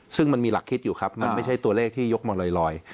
ซึ่งมันมีหลักคิดอยู่ครับมันไม่ใช่ตัวเลขที่ยกมาลอย